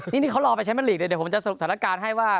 นี่เขารอไปแชมป์แมนลีกเดี๋ยวผมจะสรุปฐานการณ์ให้ว่า